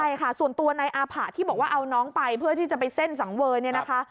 ใช่ค่ะส่วนตัวนายอาผะที่บอกว่าเอาน้องไปเพื่อที่จะไปเส้นสังเวยเนี่ยนะคะ